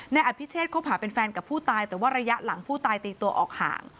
นายอภิเชษคบหาเป็นแฟนกับผู้ตายแต่ว่าระยะหลังผู้ตายตีตัวออกห่าง